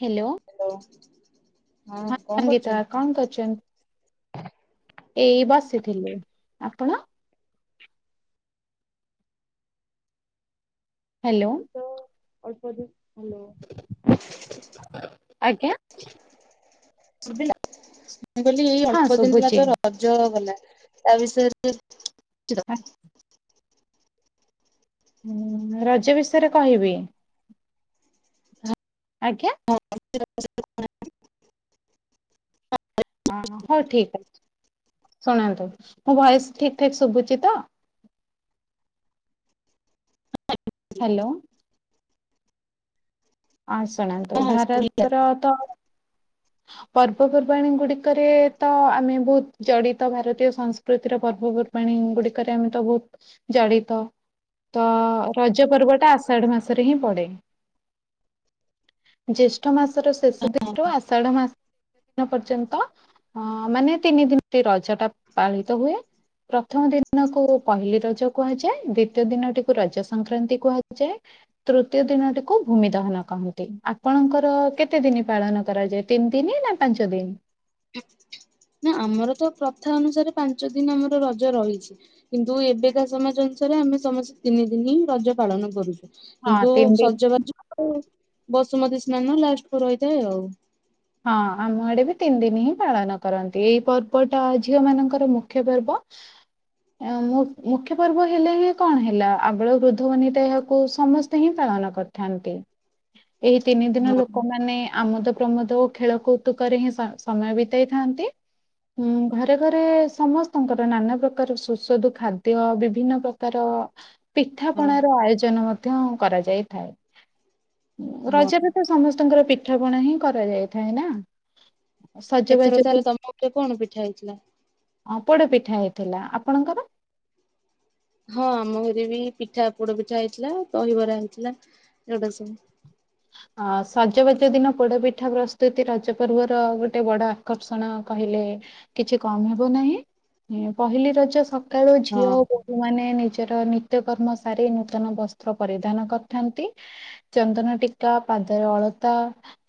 Hello hello ହଁ କଣ ସଙ୍ଗୀତା କରୁଛନ୍ତି? କଣ କରୁଛନ୍ତି। ଏଇ ବସିଥିଲୁ ଆପଣ? ହେଲୋ ଏ ତ ଅଳ୍ପ ଦିନ ଭଲ [unintelligible] ଆଜ୍ଞା। ଦେଲା, ମୁଁ କହିଲି ହଁ ଅଳ୍ପ ଦିନରେ ଶୁଭୁଛି ତ ର ରଜ ଗଲା ତା ବିଷୟରେ ତ କିଛି ହଁ ରଜ ବିଷୟରେ କହିବି? ଆଜ୍ଞା। [unintelligible] ହଁ ହଁ ହଉ ଠିକ୍ ଅଛି ଶୁଣନ୍ତୁ ମୁଁ ଭୟସ ଠିକ ଠିକ ଶୁଭୁଛି ତ। ହେଲୋ। ହଁ ଶୁଣନ୍ତୁ ଭାରତର ତ ପର୍ବପର୍ବାଣୀ ଗୁଡିକରେ ତ ଆମେ ବହୁତ ଜଡିତ ଭାରତୀୟ ସଂସ୍ ପ୍ରକୃତିର ପର୍ବପର୍ବାଣୀ ଗୁଡିକରେ ଆମେ ତ ବହୁତ ଜଡିତ। ତ ରଜ ପର୍ବ ଟା ଆଷାଢ ମାସରେ ହିଁ ପଡେ। ଜ୍ୟେଷ୍ଠ ମାସ ମାସର ଶେଷ ଦିନଠୁ ଆଷାଢ ମାସ ପର୍ଯ୍ୟନ୍ତ ଅ ମାନେ ତିନି ଦିନ ରଜ ସେଟା ପାଳିତ ହୁଏ। ପ୍ରଥମ ଦିନକୁ ପହିଲି ରଜ କୁହାଯାଏ ଦ୍ଵିତୀୟ ଦିନଟିକୁ ରଜ ସଂକ୍ରାନ୍ତି କୁହାଯାଏ। ତୃତୀୟ ଦିନଟିକୁ ଭୂମି ଦହନ କହନ୍ତି ଆପଣଙ୍କର କେତେ ଦିନି ପାଳନ କରାଯାଏ। ତିନି ଦିନି ନା ପାଞ୍ଚ ଦିନ। ନା ଆମର ତ ପ୍ରଥା ଅନୁସାରେ ପାଞ୍ଚ ଦିନ ଆମର ରଜ ରହିଛି। କିନ୍ତୁ ଏବେକା ସମାଜ ଅନୁସାରେ ଆମେ ସମସ୍ତେ ତିନି ଦିନି ହିଁ ରଜ ପାଳନ କରୁଛୁ। ହଁ କିନ୍ତୁ ତିନି ଦିନ ସଜବାଜ ଆଉ ବସୁମତୀ ସ୍ନାନ ଲାଷ୍ଟ କୁ ରହିଥାଏ ଆଉ। ହଁ ଆମ ଆଡେ ବି ତିନି ଦିନ ହିଁ ପାଳନ କରନ୍ତି ଏଇ ପର୍ବଟା ଝିଅ ମାନଙ୍କର ମୁଖ୍ୟ ପର୍ବ [unintelligible] ମୁଖ୍ୟ ପର୍ବ ହେଲେ କଣ ହେଲା ଆବାଳ ବୃଦ୍ଧବନିତା ଏହାକୁ ସମସ୍ତେ ହିଁ ପାଳନ କରିଥାନ୍ତି ଏହି ତିନି ଦିନ ହଁ ଲୋକମାନେ ଆମୋଦ ପ୍ରମୋଦ ଖେଳ କୌତୁକ ହିଁ ସମୟ ବିତେଇଥାନ୍ତି ହୁଁ ଘରେ ଘରେ ସମସ୍ତଙ୍କର ନାନା ପ୍ରକାର ସୁସ୍ୱାଦୁ ଖାଦ୍ୟ ବିଭିନ୍ନ ପ୍ର ତର [unintelligible] ହଁ ପିଠାପଣା ର ଆୟୋଜନ ମଧ୍ୟ କରାଯାଇଥାଏ ହଁ ରଜ ସମସ୍ତଙ୍କର ପିଠାପଣା ହିଁ କରାଯାଇଥାଏ ନା। ସଜବାଜ ଏଥର ବି ତାହେଲେ ତମେ କଣ ପିଠା ହେଇଥିଲା? ହଁ ପୋଡ ପିଠା ହେଇଥିଲା ଆପଣଙ୍କର? ହଁ ଆମ ଘରେ ବି ପିଠା ପୋଡ ପିଠା ହେଇଥିଲା ଦହିବରା ହେଇଥିଲା ଯୋଉଟା ସବୁ। ଅ ସଜବାଜ ଦିନ ପୋଡପିଠା ପ୍ରସ୍ତୁତି ରଜ ପର୍ବର ଗୋଟେ ବଡ ଆକର୍ଷଣ କହିଲେ କିଛି କମ ହେବ ନାହିଁ ପହିଲି ରଜ ସକାଳୁ ଝିଅ ମାନେ ନିଜର ନିତ୍ୟକର୍ମ ସାରି ନୂତନ ବସ୍ତ୍ର ପରିଧାନ କରିଥାନ୍ତି। ଚନ୍ଦନ ଟିକ ା ପାଦରେ ଅଳତା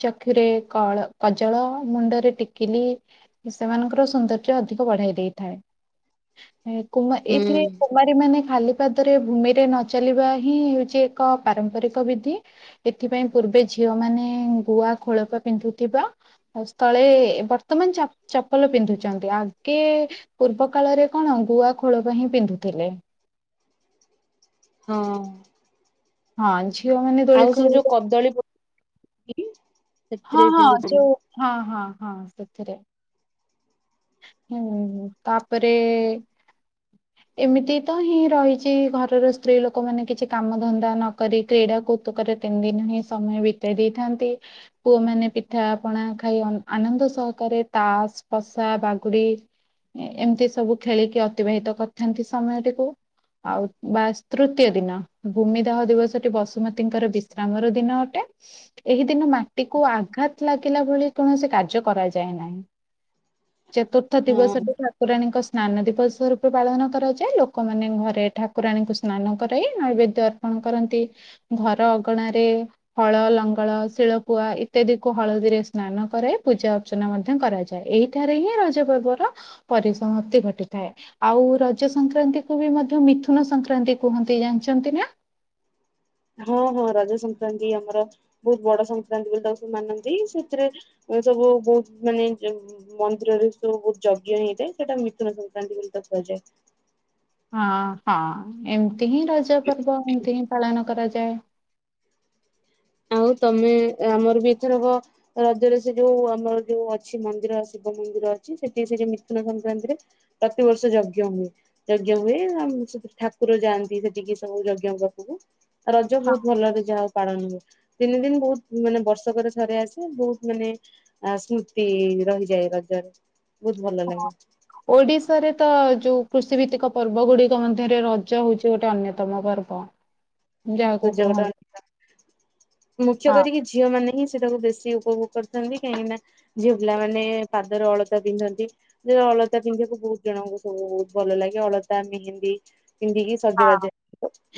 ଚକ୍ଷୁରେ କଜଳ ମୁଣ୍ଡରେ ଟିକିଲି ସେମାନଙ୍କର ସୌନ୍ଦର୍ଯ୍ୟ ଅଧିକ ବଢାଇ ଦେଇଥାଏ କୁ ହୁଁ ଏଇଥିରେ କୁମାର ମାନେ ଖାଲି ପାଦରେ ଭୂମିରେ ନଚଲିବା ହିଁ ହେଉଛି ଏକ ପାରମ୍ପରିକ ବିଧି। ଏଥିପାଇଁ ପୂର୍ବେ ଝିଅ ମାନେ ଗୁଆ ଖୋଳପ ପିନ୍ଧୁଥିବା ହ ସ୍ଥଳେ ବର୍ତ୍ତମାନ ଚପ୍ ଚପଲ ପିନ୍ଧୁଛନ୍ତି ଆଗେ ପୂର୍ବ କାଳରେ କଣ ଗୁଆ ଖୋଳ ପାଇଁ ହିଁ ପିନ୍ଧୁଥିଲେ ହଁ ହଁ ଝିଅ ମାନେ ଦୋଳି ଖ କଦଳୀ ପୁ କିର [unintelligible] ହଁ ହଁ ଯୋଉ ହଁ ହଁ ହଁ ସେଥିରେ ହୁଁ ତାପରେ ଏମିତି ତ ହିଁ ରହିଛି ଘରର ସ୍ତ୍ରୀ ଲୋକମାନେ କିଛି କାମ ଧନ୍ଦା ନକରି କ୍ରୀଡାକୁ ତୁକରେ ତିନି ଦିନ ହିଁ ସମୟ ବିତେଇ ଦେଇଥାନ୍ତି। ପୁଅମାନେ ପିଠା ପଣା ଖାଇ ଆନ ଆନନ୍ଦ ସହକାରେ ତାସ ପଶ୍ ଷା ବାଗୁଡି ଏ ଏମିତି ସବୁ ଖେଳିକି ଅତିବାହିତ କରିଥାନ୍ତି ସମୟଟିକୁ ଆଉ ବା ଶ୍ ତୃତୀୟ ଦିନ ଭୂମିଦାହ ଦିବସଟି ବସୁମତୀଙ୍କର ବିଶ୍ରାମର ଦିନ ଅଟେ ଏହି ଦିନ ମାଟିକୁ ଆଘାତ ଲାଗିଲା ଭଳି କୌଣସି କାର୍ଯ୍ୟ କରାଯାଏ ନାହିଁ। ଚତୁର୍ଥ ହଁ ଦିବସରେ ଠାକୁରାଣୀଙ୍କ ଶ୍ ସ୍ନାନ ଦିବସ ରୂପେ ପାଳନ କରାଯାଏ ଲୋକମାନେ ଘରେ ଠାକୁରାଣୀଙ୍କୁ ସ୍ନାନ କରାଇ ନୈବେଦ୍ୟ କଣ କରନ୍ତି? ଘର ଅଗଣା ରେ ଫଳ ଲଙ୍ଗଳ ଶିଳପୁଆ ଇତ୍ୟାଦି କୁ ହଳଦୀରେ ସ୍ନାନ କରାଇ ପୂଜା ଅର୍ଚ୍ଚନା ମଧ୍ୟ କରାଯାଏ ଏଇ ଏଠାରେ ହିଁ ରଜ ପର୍ବର ପରିସମତ୍ତି ଘଟିଥାଏ। ଆଉ ରଜ ସଂକ୍ରାନ୍ତି କୁ ବି ମଧ୍ୟ ମିଥୁନ ସଂକ୍ରାନ୍ତି କୁହନ୍ତି ଜାଣିଛନ୍ତି ନା ହଁ ହଁ ରଜ ସଂକ୍ରାନ୍ତି ଆମର ବହୁତ ବଡ ସଂକ୍ରକ୍ରାନ୍ତି ବୋଲି ତା ସବୁ ମାନନ୍ତି ସେଥିରେ ସବୁ ବହୁତ ମାନେ ଜ୍ ମନ୍ଦିରରେ ସବୁ ବହୁତ ଯଜ୍ଞ ହେଇଥାଏ ସେଇଟା ମିଥୁନ ସଂକ୍ରାନ୍ତି ବୋଲି ତ କୁହାଯାଏ। ହଁ ହଁ ଏମିତି ହିଁ ରଜ ପର୍ବ ଏମିତି ହିଁ ପାଳନ କରାଯାଏ। ଆଉ ତମେ ଆମର ବି ଏଥରବ ରଜରେ ସେ ଯୋଉ ଆମର ଯୋଉ ଅଛି ମନ୍ଦିର ଶିବ ମନ୍ଦିର ଅଛି ସେଠି ସେ ଯୋଉ ମିଥୁନ ସଂକ୍ରାନ୍ତିରେ ତାତିବର୍ଷ ଯଜ୍ଞ ହୁଏ। ଯଜ୍ଞ ହୁଏ ଆଉ ଠାକୁର ଯାଆନ୍ତି ସେଠିକି ସବୁ ଯଜ୍ଞଙ୍କ ପାଖକୁ ଆ ରଜ ବହୁତ ଭଲରେ ଯାହାଉ ପାଳନ ହୁଏ। ତିନି ଦିନ ବହୁତ ମାନେ ବର୍ଷକରେ ସରେ ଆସେ ବହୁତ ମାନେ ଆ ସ୍ମୃତି ରହିଯାଏ ରଜରେ ବହୁତ ଭଲ ଲାଗେ। ଓଡ଼ିଶାରେ ତ ଯୋଉ କୃଷିଭିତ୍ତିକ ପର୍ବ ଗୁଡିକ ମଧ୍ୟରେ ରଜ ହଉଛି ଗୋଟେ ଅନ୍ୟତମ ପର୍ବ [inaudible] ରଜ ଗୋଟେ କୁହନ୍ତି ଅ [unintelligible] ମୁଖ୍ୟ ହଁ। କରିକି ଝିଅମାନେ ହିଁ ସେଟାକୁ ବେଶୀ ଉପଭୋଗ କରିଥାନ୍ତି କାହିଁକି ନା ଝିଅ ପିଲାମାନେ ପାଦର ଅଳତା ପିନ୍ଧନ୍ତି। ଯେ ଅଳତା ପିନ୍ଧିବାକୁ ବହୁତ ଜଣଙ୍କୁ ସବୁ ବହୁତ ଭଲ ଲାଗେ ଅଳତା ମେହେନ୍ଦୀ ପିନ୍ଧିକି ହଁ ସଜବାଜ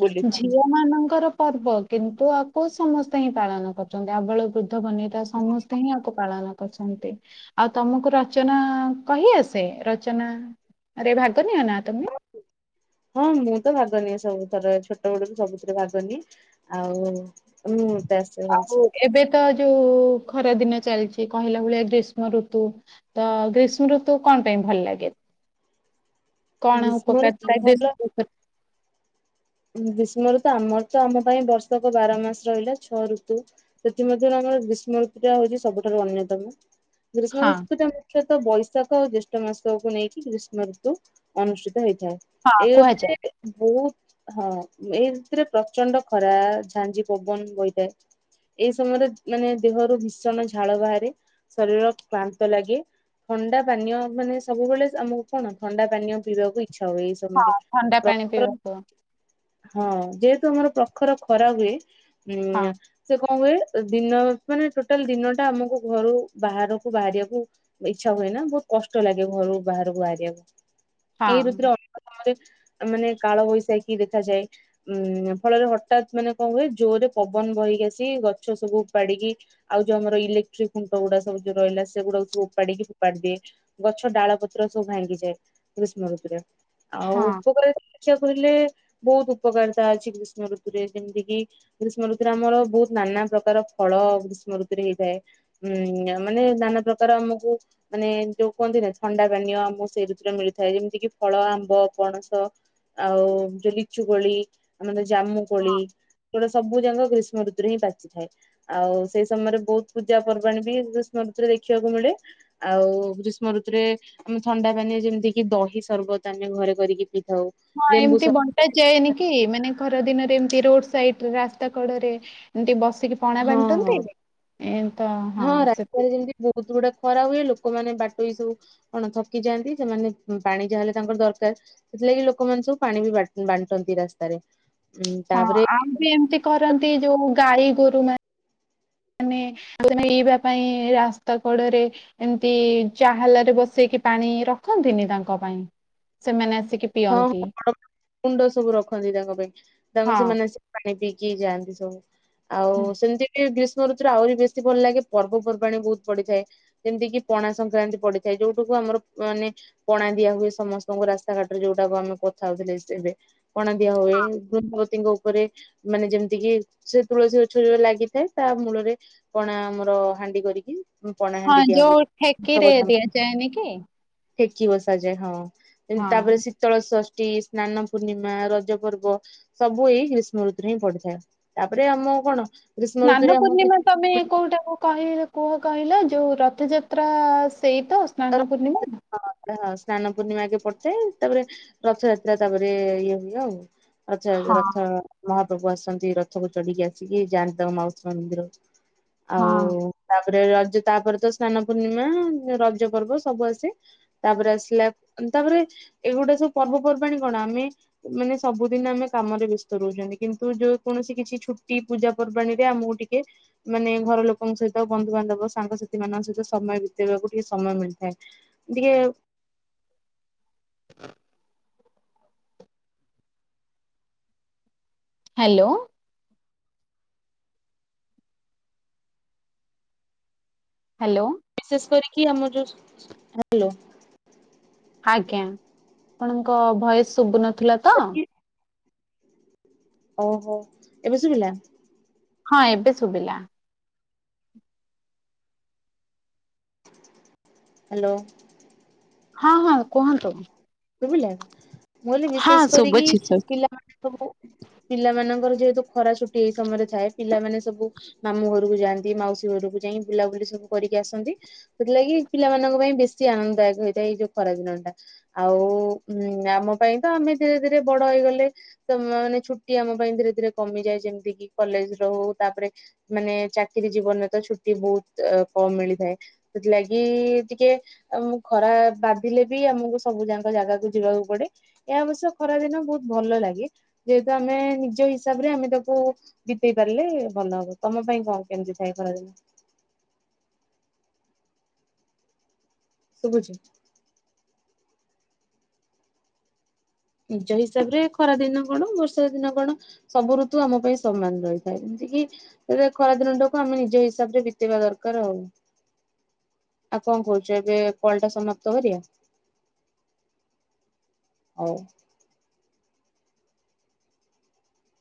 ବୁଲିଥାନ୍ତି। ଝିଅ ମାନଙ୍କର ପର୍ବ କିନ୍ତୁ ଆକୁ ସମସ୍ତେ ହିଁ ପାଳନ କରୁଛନ୍ତି ଆବଳ ବୃଦ୍ଧ ବନିଇତା ସମସ୍ତେ ହିଁ ଆକୁ ପାଳନ କରୁଛନ୍ତି। ଆଉ ତମକୁ ରଚନା କହିଆସେ। ରଚନା? ଆରେ ଭାଗ ନିିଅ ନା ତମେ? ହଁ ମୁଁ ତ ଭାଗ ନିଏ ସବୁ ଥର ଛୋଟ ବଡୁକୁ ସବୁଥିରେ ଭାଗନିଏ। ଆଉ ମୁଁ ତା ଶ୍ ଆଉ ଏବେ ତ ଯୋଉ ଖରା ଦିନ ଚାଲିଛି କହିଲା ଭଳିଆ ଗ୍ରୀଷ୍ମ ଋତୁ। ତ ଗ୍ରୀଷ୍ମ ଋତୁ କଣ ପାଇଁ ଭଲ ଲାଗେ? କଣ ଗ୍ରୀଷ୍ମ ଋତୁ ଉପକାରତା ଭଲ ଗ୍ରୀଷ୍ମଋତୁ ଗ୍ରୀଷ୍ମ ଋତୁ ଆମର ତ ଆମ ପାଇଁ ବର୍ଷକ ବାର ମାସ ରହିଲା ଛଅ ଋତୁ। ସେଥିମଧ୍ୟରୁ ଆମର ଗ୍ରୀଷ୍ମ ଋତୁଟା ହଉଛି ସବୁଠାରୁ ଅନ୍ୟତମ। ଗ୍ରୀଷ୍ମ ହଁ ଋତୁଟା ତଃ ବୈଶାଖ ଆଉ ଜ୍ୟେଷ୍ଠ ମାସକୁ ନେଇକି ଗ୍ରୀଷ୍ମ ଋତୁ ଅନୁଷ୍ଠିତ ହେଇଥାଏ। ହଁ ଏବେ କୁହାଯାଏ। ବି ବହୁତ। ହଁ ଏଇ ଋତୁରେ ପ୍ରଚଣ୍ଡ ଖରା ଝାଂଜି ପବନ ବହିଥାଏ। ଏଇ ସମୟରେ ମାନେ ଦେହରୁ ଭୀଷଣ ଝାଳ ବାହାରେ। ଶରୀର କ୍ଳାନ୍ତ ଲାଗେ। ଥଣ୍ଡା ପାନୀୟ ମାନେ ସବୁବେଳେ ଆମକୁ କଣ ଥଣ୍ଡା ପାନୀୟ ପିଇବାକୁ ଇଚ୍ଛା ହଁ ହୁଏ। ଥଣ୍ଡା ପାଣି ପିଇବାକୁ [unintelligible] ହଁ ଯେହେତୁ ଆମର ପ୍ରଖର ଖରା ହୁଏ ଉଁ- ହଁ ସେ କଣ ହୁଏ ଦିନ ମାନେ ଟୋଟାଲ ଦିନ ଟା ଆମକୁ ଘରୁ ବାହାରକୁ ବାହାରିବାକୁ- ଇଚ୍ଛା ହୁଏ ନା। ବହୁତ କଷ୍ଟ ଲାଗେ ଘରୁ ବାହାରକୁ ବାହାରିବାକୁ। ହଁ ଏଇ ଋତୁରେ [unintelligible] କାଳବୈଶାଖୀ ଦେଖାଯାଏ। ଉଁ ଫଳରେ ହଠାତ୍ ମାନେ କଣ ହୁଏ। ଜୋରରେ ପବନ ବହିକି ଆସି ଗଛ ସବୁ ଉପାଡ୍ଡୀ କି। ଆଉ ଯୋଉ ଆମର ଇଲେକ୍ଟ୍ରିକ୍ଖୁଣ୍ଟ ଗୁଡ଼ା ସବୁ ଯୋଉ ରହିଲା ସେଗୁଡ଼ା କୁ ସବୁ ଉପାଡ଼ିକି ଫପାଡ଼ି ଦିଏ। ଗଛ ଡାଳ ପତ୍ର ସବୁ ଭାଙ୍ଗିଯାଏ ଗ୍ରୀଷ୍ମ ଋତୁରେ। ଆଉ ହଁ ଉପକାରିତା ଦେଖିବା କହିଲେ ବହୁତ ଉପକାରିତା ଅଛି ଗ୍ରୀଷ୍ଣ ଋତୁରେ। ଯେମିତି କିି- ଗ୍ରୀଷ୍ମ ଋତୁରେ ଆମର ବହୁତ ନାନା ପ୍ରକାର ଫଳ ଗ୍ରୀଷ୍ମ ଋତୁରେ ହେଇଥାଏ। ହୁଁ ମାନେ ନାନା ପ୍ରକାର ଆମକୁ- ମାନେ ଯୋଉ କୁହନ୍ତି ନା ଥଣ୍ଡା ପାନୀୟ ଆମକୁ ସେଇ ଋତୁରେ ମିଳିଥାଏ। ଯେମିତି କିି ଫଳ ଆମ୍ବ ପଣସ ଆଉ ଯଉ ଲିଚୁ କୋଳି ଆମ ଜାମୁ କୋଳି ଅଗୁଡ଼ା ସବୁ - ସବୁ ଯାକ ଗ୍ରୀଷ୍ମ ଋତୁରେ ହିଁ ପାଚି ଥାଏ। ଆଉ ସେଇ ସମୟରେ ବହୁତ ପୂଜା ପର୍ବାଣୀ ବି ଗ୍ରୀଷ୍ମ ଋତୁରେ ଦେଖିବାକୁ ମିଳେ। ଆଉ ଗ୍ରୀଷ୍ମ ଋତୁରେ ଆମେ ଥଣ୍ଡା ପାନୀୟ ଯେମିତି କିି ଦହି ସରବତ ଆମେ ଘରେ କରିକି ପି- ହଁ ଏମିତି ବଣ- ଯାଏନି କି ମାନେ ଖରା ଦିନରେ ଏମତି ରୋଡ ସାଇଡ ରାସ୍ତା କଡ ରେ। ଏମିତି ବସିକି- ପଣା ହଁ ହଁ ବାଣ୍ଟନ୍ତି ଏ ତ ହଁ ସେ- ରାସ୍ତାରେ ଯେମିତି ବହୁତ ଗୁଡ଼େ ଖରା ହୁଏ। ଲୋକମାନୋନ ବାଟୋଇ ସବୁ ସବୁ- କଣ ଥକି ଯାଆନ୍ତି। ସେମାନେ ପାଣି ଯାହାହେଲେ ତାଙ୍କର ଦରକାର। ସେଥିଲାଗି ଲୋକମାନେ ସବୁ ପାଣି ବି ବାଣ୍ଟନ୍ତି ରାସ୍ତାରେ। ଉଁ ହଁ ତାପରେ ଆଉ ବି ଏମିତି କରନ୍ତି ଯୋଉ ଗାଈ ଗୋରୁ ମାନେ- ମାନେ ଆଉ ତମେ ଏଇଭଳିଆ ପାଇଁ ରାସ୍ତା କଡ଼ରେ - ଏମିତି ଚାହାଲ ରେ ବସେଇକି ପାଣି ରଖନ୍ତିନି ତାଙ୍କ ପାଇଁ ସେମାନେ ଆସିକି- ହଁ ହଁ ପିଅନ୍ତି ବଡ଼ ବଡ଼ କୁଣ୍ଡ ସବୁ ରଖନ୍ତି ତାଙ୍କ ପାଇଁ। ତାଙ୍କ ହଁ ସେମାନେ ଆସି - ପାଣି ପିଇକିି ଯାଆନ୍ତି ସବୁ ଆଉ ସେମିତି- ଗ୍ରୀଷ୍ମ ଋତୁରେ ଆହୁରି ବେଶୀ ଭଲ ଲାଗେ ପର୍ବପର୍ବାଣି ବହୁତ ପଡିିଯାଏ। ଯେମିତି କିି ପଣା ସଂକ୍ରାନ୍ତି ପଡିଥାଏ। ଯୋଉଠୁକୁ ଆମର ମାନେ ପଣା ଦିଆ ହୁଏ ସମସ୍ତଙ୍କୁ ରାସ୍ତା ଘାଟ - ଯୋଉଟାକୁ ଆମେ କଥା ହଉଥିଲେ ଏବେ କଣ ଦିଆ ହୁଏ ତେଙ୍କ ଉପରେ ମାନେ ଯେମିତିକି ସେ ତୁଳସୀ ଗଛ ଲାଗିଥାଏ ତା ମୂଳରେ କଣା ଆମର ହାଣ୍ଡି କରିକି ହଁ ପଣାହାାଣ୍ଡି ଦିଆ ଯୋଉ ଠେକିରେ ଦିଆଯାଏନି କି ହୁଏଠେକି ବସାଯାଏ ହଁ ହଁ ତାପରେ ଶୀତଳ ଷଷ୍ଠୀ ସ୍ନାନ ପୂର୍ଣ୍ଣିମା ରଜ ପର୍ବ ସବୁ ଏଇ ଗ୍ରୀଷ୍ମ ଋତୁରେ ହିଁ ପଡିଥାଏ ତାପରେ ଆମ କଣ ଗ୍ରୀଷ୍ମ ଋତୁରେ ନାନ ଆମକୁ ପୂର୍ଣିମା ତମେ କୋଉଟାକୁ କହ କୁହ କହିଲ ଯୋଉ ରଥଯାତ୍ରା ସେଇତାଟ ସ୍ନାନ ପୂର୍ଣିମା ହଁ ହଁ ସ୍ନାନ ପୂର୍ଣ୍ଣିମା ଆଗେ ପଢି ଥାଏ ତାପରେ ରଥଯାତ୍ରା ତାପରେ ଇଏ ହୁଏ ଆଉ ଆଚ୍ଛା ଆଚ୍ଛା ହଁ ରଥ ମହାପ୍ରଭୁ ଆସନ୍ତି ରଥକୁ ଚଢିକି ଆସିକି ଯାଆନ୍ତି ତାଙ୍କ ମାଉସୀ ମା ମନ୍ଦିର। ହଁ ଆଉ ତାପରେ ରଜ ତାପରେ ତ ସ୍ନାନ ପୂର୍ଣ୍ଣିମା ରଜ ପର୍ବ ସବୁ ଆସେ। ତାପରେ ଆସିଲା ତାପରେ ଏଗୋଟା ସବୁ ପର୍ବପର୍ବାଣିୀ କଣ ଆମେ ମାନେ ସବୁଦିନ ଆମେ କାମରେ ବ୍ୟସ୍ତ ରହୁଛନ୍ତି। କିନ୍ତୁ ଯୋଉ କୌଣସି କିଛି ଛୁଟି ପୂଜା ପର୍ବାଣୀରେ ଆମକୁ ଟିକେ ମାନେ ଘର ଲୋକଙ୍କ ସହିତ ବନ୍ଧୁବାନ୍ଧବ ସାଙ୍ଗସାଥି ମାନଙ୍କ ସହିତ ସମୟ ବିତେଇବାକୁ ଟିକେ ସମୟ ମିଳିଥାଏ ଟିକେ [inaudible] ହାଲୋ। ହାଲୋ। ବିଶେଷ କରିକି ଆମର ଯୋଉ ହାଲୋ ଆଜ୍ଞା ଆପଣଙ୍କ ଭଏସ ଶୁଭୁନଥିଲା ତ ଓହୋ ଏବେ ଶୁଭିଲା। ହଁ ଏବେ ଶୁଭିଲା। ହାଲୋ। ହଁ ହଁ କୁହନ୍ତୁ? ବୁଝିଲେ ମୁଁ କହିଲି ହଁ ବିଶେଷ କରିକି ଶୁଭୁଛି ଶୁ ପିଲାମାନେ ସବୁ ପିଲାମାନଙ୍କର ଯେହେତୁ ଖରା ଛୁଟି ଏଇ ସମୟରେ ଥାଏ ପିଲାମାନେ ସବୁ ମାମୁଁ ଘରକୁ ଯାଆନ୍ତି ମାଉସୀ ଘରକୁ ଯାଇ ବୁଲାବୁଲି ସବୁ କରିକି ଆସନ୍ତି। ସେଥିଲାଗି ପିଲାମାନଙ୍କ ପାଇଁ ବେଶୀ ଆନନ୍ଦଦାୟକ ହେଇଥାଏ ଏଇ ଯୋଉ ଖରାଦିନଟା। ଆଉ ଉ ଆମ ପାଇଁ ତ ଆମେ ଧୀରେ ଧୀରେ ବଡ ହେଇଗଲେ। ତ ମାନେ ଛୁଟି ଆମ ପାଇଁ ଧୀରେ ଧୀରେ କମିଯାଏ ଯେମିତି କିି କଲେଜରେ ହଉ ତାପରେ ମାନେ ଚାକିରି ଜୀବନରେ ତ ଛୁଟି ବହୁତ କମ ମିଳିଥାଏ। ସେଥିଲାଗି ଟିକେ ଆମକୁ ଖରା ବାଧିଲେ ବି ଆମକୁ ସବୁ ଯାଙ୍କ ଜାଗାକୁ ଯିବାକୁ ପଡେ ଏହା ଅବଶ୍ୟ ଖରା ଦିନ ବହୁତ ଭଲ ଲାଗେ। ଯେହେତୁ ଆମେ ନିଜ ହିସାବରେ ଆମେ ତାକୁ ବିତେଇ ପାରିଲେ ଭଲ ହବ ତମ ପାଇଁ କଣ କେମିତି ଥାଏ ଖରାଦିନ? ଶୁଭୁଛି। ନିଜ ହିସାବରେ ଖରା ଦିନ କଣ ବର୍ଷା ଦିନ କଣ? ସବୁ ଋତୁ ଆମ ପାଇଁ ସମାନ ରହିଥାଏ ଯେନ୍ତି କିି ସେ ଖରା ଦିନଟାକୁ ଆମେ ନିଜ ହିସାବରେ ବିତେଇବା ଦରକାର ଆଉ ଆଉ କଣ କହୁଛ ଏବେ କଲଟା ସମାପ୍ତ କରିବା। ହଉ।